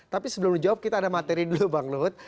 tapi sebelum dijawab kita ada materi dulu bang ruhut